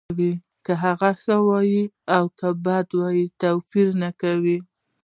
که هغه ښه وي او که بد وي توپیر نه کوي